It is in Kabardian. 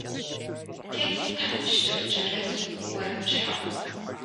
Тетт тхьэмыщкӏэр, джэрэзу, уэрам щхьэӀум.